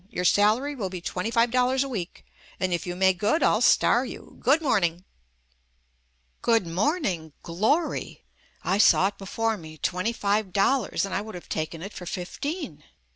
Your salary will be twenty five dollars a week, and if you make good I'll star you. Good morning!" Good Morning, Glory! I saw it before me, twenty five dollars and I would have taken it for fifteen.